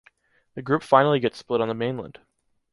The group finally gets split on the mainland.